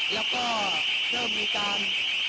แล้วก็เริ่มมีการ